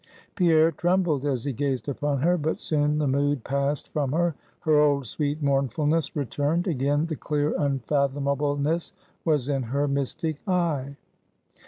Pierre trembled as he gazed upon her. But soon the mood passed from her; her old, sweet mournfulness returned; again the clear unfathomableness was in her mystic eye.